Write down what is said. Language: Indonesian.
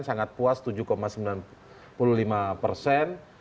sangat puas tujuh sembilan puluh lima persen